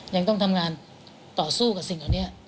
ยังต้องทำงานต่อสู้กับสิ่งเหล่านี้